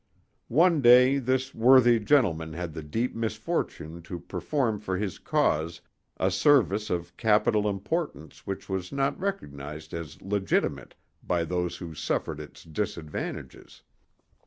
One day this worthy gentleman had the deep misfortune to perform for his cause a service of capital importance which was not recognized as legitimate by those who suffered its disadvantages.